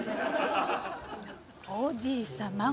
おじいさん